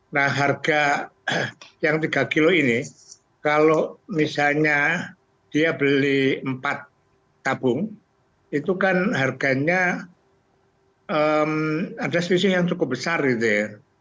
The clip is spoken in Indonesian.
nah harga yang tiga kilo ini kalau misalnya dia beli empat tabung itu kan harganya ada selisih yang cukup besar gitu ya